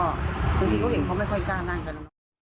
บางทีเขาเห็นเขาไม่ค่อยกล้านั่งกัน